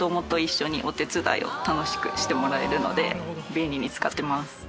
便利に使ってます。